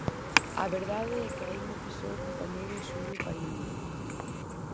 A verdade é que aí mo pisou o compañeiro Xulio Paíño.